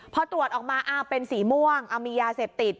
พอตรวจออกมาเป็นสีม่วงมียาเสพติด